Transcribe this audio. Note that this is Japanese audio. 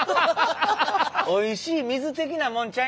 おいしい水。